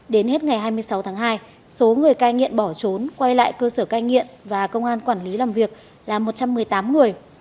đến hết ngày hai mươi sáu tháng hai số người cai nghiện bỏ trốn quay lại cơ sở cai nghiện và công an quản lý làm việc là một trăm một mươi tám người